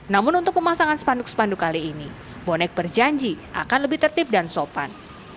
namun untuk pemasangan spanduk spanduk kali ini bonek berjanji akan lebih tertib dan sopan